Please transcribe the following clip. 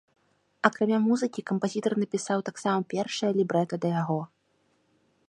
Акрамя музыкі, кампазітар напісаў таксама першае лібрэта да яго.